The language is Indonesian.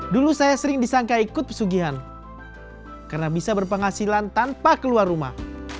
dulu saya sering disangka ikut pesugihan karena bisa berpenghasilan tanpa keluar rumah